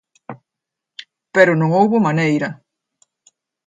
Pero non houbo maneira.